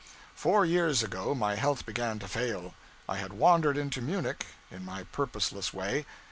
Four years ago, my health began to fail. I had wandered into Munich, in my purposeless way.